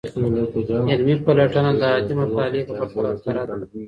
علمي پلټنه د عادي مطالعې په پرتله کره ده.